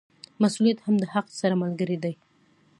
مسوولیت هم د حق سره ملګری دی.